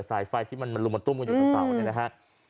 อ่าามันลุมมาต้มอยู่ทั้งเฝ้า